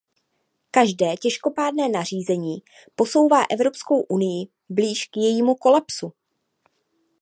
Každé těžkopádné nařízení posouvá Evropskou unii blíž k jejímu kolapsu.